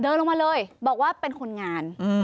เดินลงมาเลยบอกว่าเป็นคนงาน